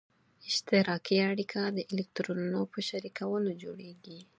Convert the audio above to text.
اشتراکي اړیکه د الکترونونو په شریکولو جوړیږي.